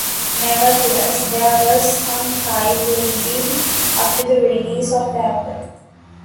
Nevertheless, there was some hype leading up to the release of the album.